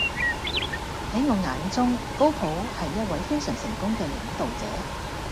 喺我眼中，高普係一位非常成功嘅領導者